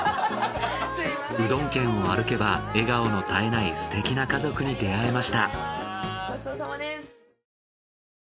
うどん県を歩けば笑顔の絶えないすてきな家族に出会えました。